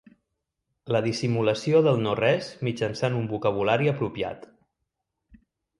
La dissimulació del no res mitjançant un vocabulari apropiat.